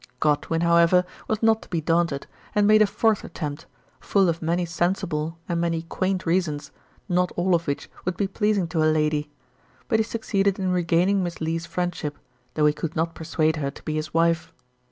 Godwin, how GIRLHOOD PATERNAL TROUBLES. 25 ever, was not to be daunted, and made a fourth attempt, full of many sensible and many quaint reasons, not all of which would be pleasing to a lady ; but he succeeded in regaining Miss Lee's friendship, though he could not persuade her to be his wife.